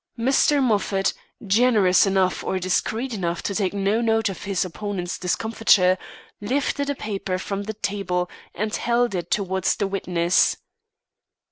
Mr. Moffat, generous enough or discreet enough to take no note of his opponent's discomfiture, lifted a paper from the table and held it towards the witness.